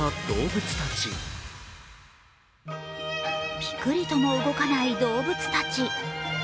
ピクリとも動かない動物たち。